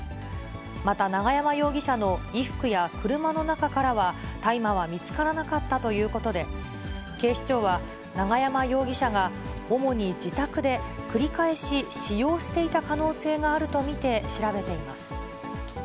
また永山容疑者の衣服や車の中からは、大麻は見つからなかったということで、警視庁は、永山容疑者が主に自宅で、繰り返し使用していた可能性があると見て調べています。